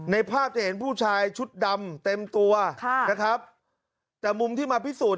ในภาพจะเห็นผู้ชายชุดดำเต็มตัวค่ะนะครับแต่มุมที่มาพิสูจน